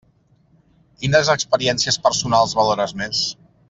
Quines experiències personals valores més?